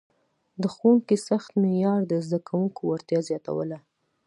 د ښوونکي سخت معیار د زده کوونکو وړتیا زیاتوله.